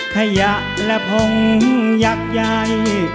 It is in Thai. ขยะและพงยักยัย